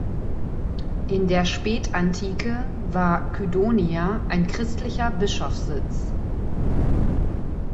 In der Spätantike war Kydonia ein christlicher Bischofssitz.